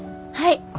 はい。